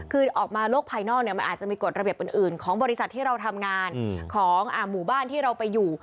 คือออกมาโลกภายนอกมันอาจจะมีกฎระเบียบอื่นของบริษัทที่เราทำงานของหมู่บ้านที่เราไปอยู่